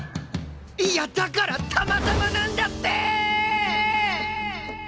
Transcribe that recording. いやだからたまたまなんだってー！